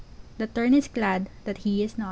The Tern is glad that he is not!